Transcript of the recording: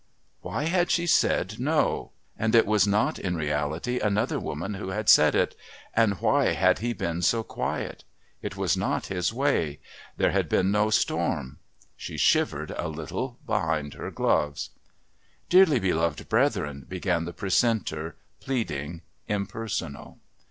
Why had she said "No," and was it not in reality another woman who had said it, and why had he been so quiet? It was not his way. There had been no storm. She shivered a little behind her gloves. "Dearly beloved brethren," began the Precentor, pleading, impersonal.